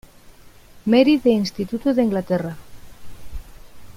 Mary de Instituto de Inglaterra.